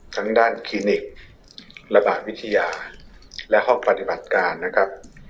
ทั้งด้านคลินิกระบาดวิทยาและห้องปฏิบัติการนะครับ